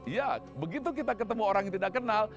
ya begitu kita ketemu orang yang tidak kenal